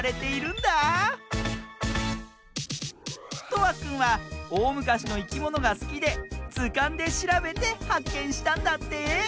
とわくんはおおむかしのいきものがすきでずかんでしらべてはっけんしたんだって！